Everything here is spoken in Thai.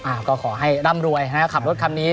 อ่าก็ขอให้ร่ำรวยอาทาราคาขับรถคำนี้